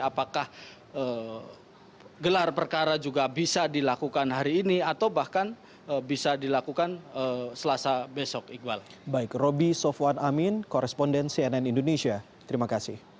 apakah gelar perkara juga bisa dilakukan hari ini atau bahkan bisa dilakukan selasa besok